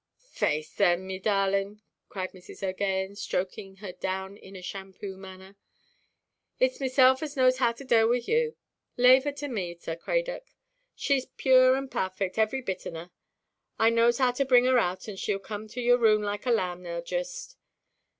"Faix, thin, me darlinʼ," cried Mrs. OʼGaghan, stroking her down in a shampoo manner, "itʼs meself as knows how to dale with you. Lave her to me; Sir Crayduck; sheʼs pure and parfict, every bit on her. I knows how to bring her out, and sheʼll come to your room like a lamb, now jist.